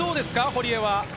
堀江は。